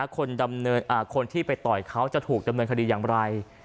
คนที่ไปต่อยเขาจะถูกดำเนินคดีอย่างไร